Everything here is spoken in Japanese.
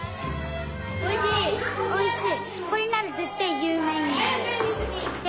おいしい。